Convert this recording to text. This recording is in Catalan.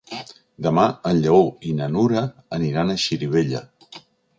Demà en Lleó i na Nura aniran a Xirivella.